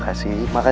oke di tengah